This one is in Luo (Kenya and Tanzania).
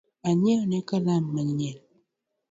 Onyiewne kalam manyien